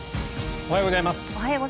おはようございます。